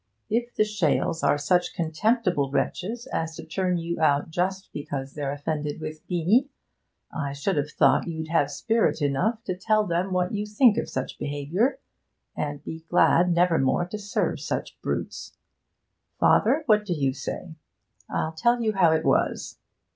'If the Shales are such contemptible wretches as to turn you out just because they're offended with me, I should have thought you'd have spirit enough to tell them what you think of such behaviour, and be glad never more to serve such brutes! Father, what do you say? I'll tell you how it was.'